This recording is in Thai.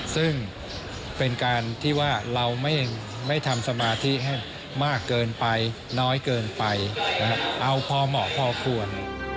ซึ่งเป็นการที่ว่าเราไม่ทำสมาธิให้มากเกินไปน้อยเกินไปเอาพอเหมาะพอควร